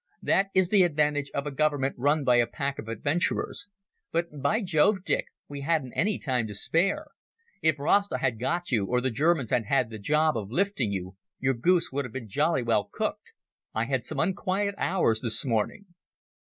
That is the advantage of a Government run by a pack of adventurers. But, by Jove, Dick, we hadn't any time to spare. If Rasta had got you, or the Germans had had the job of lifting you, your goose would have been jolly well cooked. I had some unquiet hours this morning."